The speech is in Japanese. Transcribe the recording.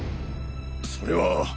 それは。